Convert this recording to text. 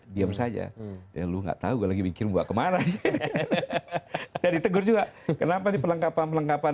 diam saja ya lu nggak tahu lagi bikin buat kemana jadi tegur juga kenapa di perlengkapan perang di